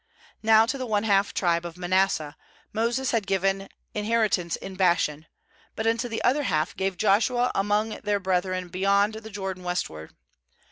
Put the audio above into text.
7Now to the one half tribe of Ma nasseh Moses had given inheritance in Bashan; but unto the other half gave Joshua among their brethren be yond the Jordan westward.